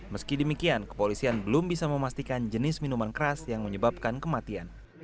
meski demikian kepolisian belum bisa memastikan jenis minuman keras yang menyebabkan kematian